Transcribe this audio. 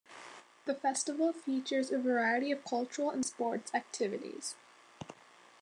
The festival features a variety of cultural and sports activities.